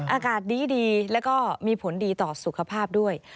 อากาศดีแล้วก็มีผลดีต่อสุขภาพด้วย